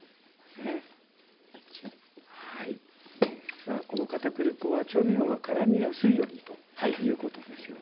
さあこの片栗粉は調味料がからみやすいようにということですよね？